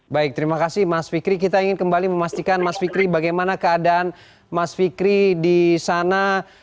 baik terima kasih mas fikri kita ingin kembali memastikan mas fikri bagaimana keadaan mas fikri di sana